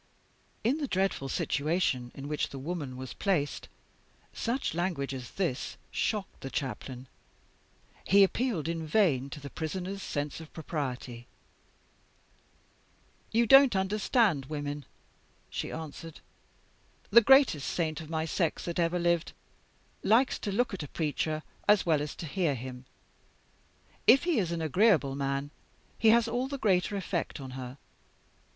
"In the dreadful situation in which the woman was placed, such language as this shocked the Chaplain; he appealed in vain to the Prisoner's sense of propriety. 'You don't understand women,' she answered. 'The greatest saint of my sex that ever lived likes to look at a preacher as well as to hear him. If he is an agreeable man, he has all the greater effect on her.